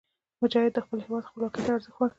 مجاهد د خپل هېواد خپلواکۍ ته ارزښت ورکوي.